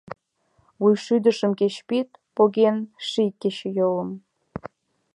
Вуйшӱдышым кеч пид, Поген ший кечыйолым.